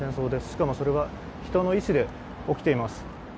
しかも、それは人の意思で起きています。